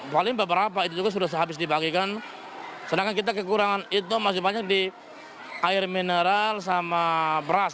paling beberapa itu juga sudah habis dibagikan sedangkan kita kekurangan itu masih banyak di air mineral sama beras